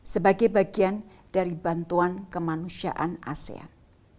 sebagai bagian dari bantuan kemanusiaan asean